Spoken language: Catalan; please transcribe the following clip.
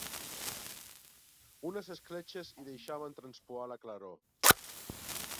Unes escletxes hi deixaven traspuar la claror.